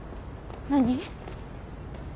何？